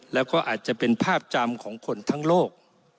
แล้วก็อาจจะเป็นภาพจำของคนทั้งโลก